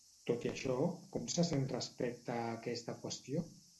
Tot i això, com se sent respecte a aquesta qüestió?